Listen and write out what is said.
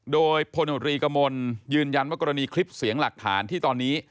โดยพลโนรีกมลยืนยันว่ากรณีคลิปเสียงหลักฐานที่ตอนนี้